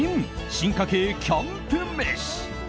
進化系キャンプ飯。